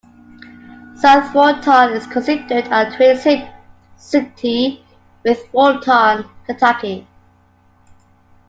South Fulton is considered a twin city with Fulton, Kentucky.